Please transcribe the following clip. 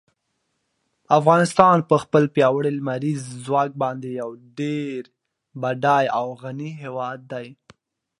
افغانستان په خپل پیاوړي لمریز ځواک باندې یو ډېر بډای او غني هېواد دی.